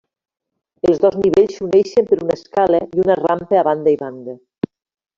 Els dos nivells s'uneixen per una escala i una rampa a banda i banda.